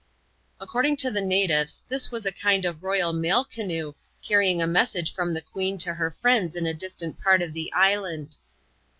According to the natives, this was a kind of royal mail canoe, carrying a message from the queen to her friends in a distant part of the island.